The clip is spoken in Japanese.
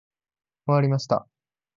終わりました。